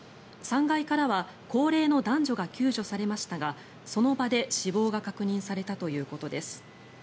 ３階からは高齢の男女が救助されましたがその場で死亡が確認されたということです。